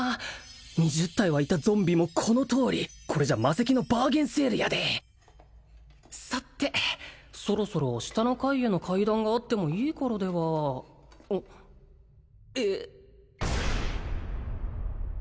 ２０体はいたゾンビもこのとおりこれじゃ魔石のバーゲンセールやでさてそろそろ下の階への階段があってもいい頃ではおっえっ